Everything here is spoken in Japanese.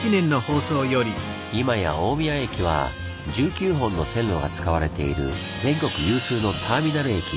今や大宮駅は１９本の線路が使われている全国有数のターミナル駅。